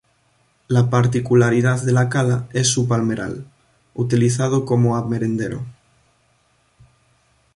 La particularidad de la cala es su palmeral, utilizado como a merendero.